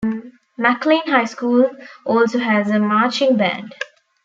McLean High School also has a marching band.